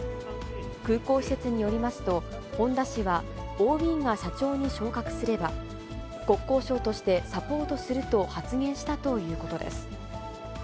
空港施設によりますと、本田氏は、ＯＢが社長に昇格すれば、国交省としてサポートすると発言したということです。